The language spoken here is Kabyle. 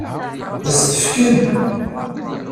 Ad as-t-tefkem?